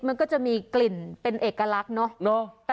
มันก็จะมีกลิ่นเป็นเอกลักษณ์เนอะ